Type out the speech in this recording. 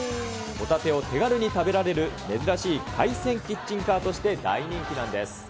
ほたてを手軽に食べられる珍しい海鮮キッチンカーとして大人気なんです。